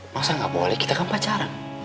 masa nggak boleh kita kan pacaran